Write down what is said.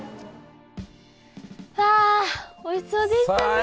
わあおいしそうでしたね。